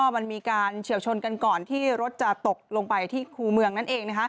มันมีการเฉียวชนกันก่อนที่รถจะตกลงไปที่คู่เมืองนั่นเอง